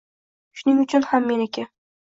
Shuning uchun ham meniki.